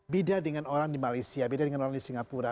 beda dengan orang di malaysia beda dengan orang di singapura